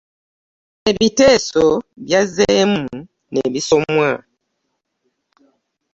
Ebiteeso byazzeemu ne bisomwa.